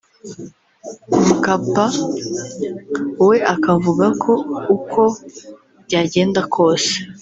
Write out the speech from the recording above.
Mkapa we akavuga ko uko byagenda kose